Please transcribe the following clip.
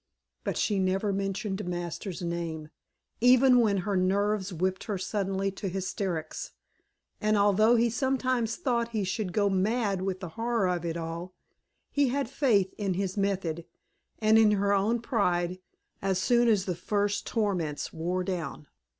But she never mentioned Masters' name, even when her nerves whipped her suddenly to hysterics; and although he sometimes thought he should go mad with the horror of it all, he had faith in his method, and in her own pride, as soon as the first torments wore down.